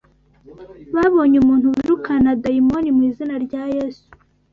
babonye umuntu wirukana dayimoni mu izina rya Yesu,